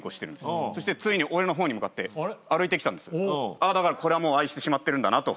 あっだからこれはもう愛してしまってるんだなと。